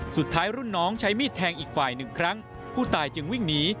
สุดท้ายรุ่นน้องใช้มีดแทงอีกฝ่ายหนึ่งครั้งผู้ตายจึงวิ่งหนี